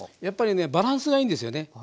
やっぱりねバランスがいいんですよね。